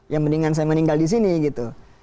ya mendingan saya meninggal di sini gitu